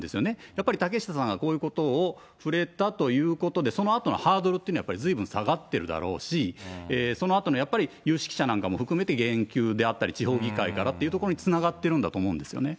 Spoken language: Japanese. やっぱり竹下さんがこういうことを触れたということで、そのあとのハードルっていうのは、やっぱりずいぶん下がってるだろうし、そのあとのやっぱり有識者なんかも含めて言及であったり、地方議会からっていうところにつながってるんだと思うんですよね。